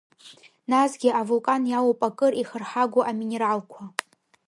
Насгьы авулкан иалоуп акыр ихырҳагоу аминералқәа.